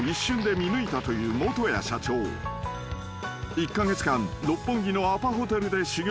［１カ月間六本木のアパホテルで修業］